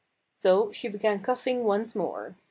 So she began coughing once more.